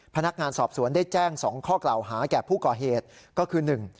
พนักงานสอบสวนได้แจ้ง๒ข้อกล่าวหาแก่ผู้ก่อเหตุก็คือหนึ่ง